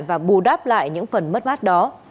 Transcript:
và bù đáp lại những phần mất mát đó